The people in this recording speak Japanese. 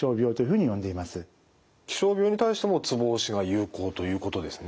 気象病に対してもツボ押しが有効ということですね。